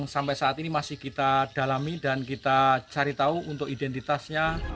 sampai saat ini masih kita dalami dan kita cari tahu untuk identitasnya